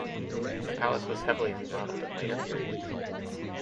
The palace was heavily remodeled in later periods.